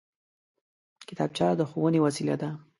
کتابچه د ښوونې وسېله ده